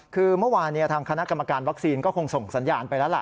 คือเมื่อวานทางคณะกรรมการวัคซีนก็คงส่งสัญญาณไปแล้วล่ะ